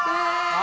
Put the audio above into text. あ！